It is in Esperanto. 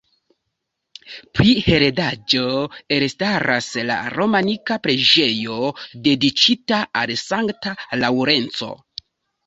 Pri heredaĵo, elstaras la romanika preĝejo, dediĉita al Sankta Laŭrenco.